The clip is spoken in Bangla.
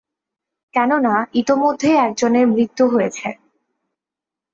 কেননা ইতোমধ্যেই একজনের মৃত্যু হয়েছে।